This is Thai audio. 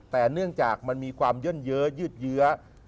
แต่เนื่องจากมันมีความเย่นเยอะยืดเยื้อ